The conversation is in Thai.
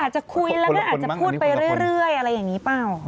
จะคุยแล้วก็อาจจะพูดไปเรื่อยอะไรอย่างนี้เปล่า